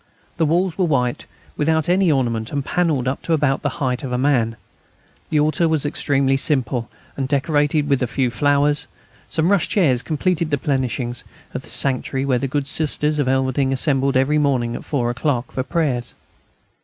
The walls were white, without any ornament, and panelled up to about the height of a man. The altar was extremely simple, and decorated with a few flowers. Some rush chairs completed the plenishings of the sanctuary where the good Sisters of Elverdinghe assembled every morning at four o'clock for prayers.